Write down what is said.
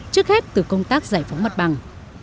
trước hết từ công tác giải phóng mặt bằng